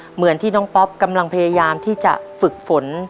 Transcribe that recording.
เหมือนที่น้องป๊อปกำลังพยายามที่จะฝึกฝน